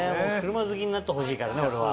車好きになってほしいから俺は。